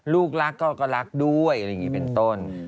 ลูกรักก็รักด้วยเป็นต้น